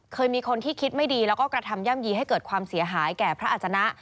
เคยมีคนที่คิดไม่ดีแล้วก็กระทำย่ำยีให้เกิดความเสียหายแก่พระอาจนะ